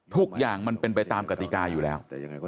ทุกอย่างมันเป็นไปตามกติกาอยู่แล้ว